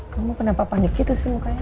kamu kenapa panik gitu sih mukanya